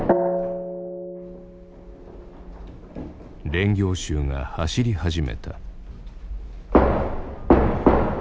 練行衆が走り始めた。